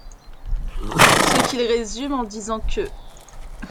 Ce qu'il résume en disant que l'.